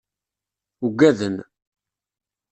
Ugaden.